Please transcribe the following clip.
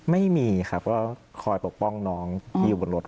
ไม่มีครับก็คอยปกป้องน้องที่อยู่บนรถ